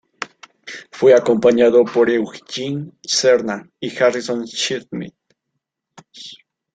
Fue acompañado por Eugene Cernan y Harrison Schmitt.